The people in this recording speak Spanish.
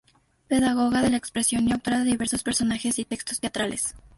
Pedagoga de la expresión y autora de diversos personajes y textos teatrales.